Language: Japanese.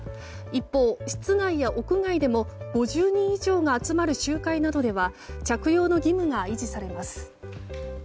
一方、室内や屋外でも５０人以上が集まる集会などでは着用の義務が維持されます。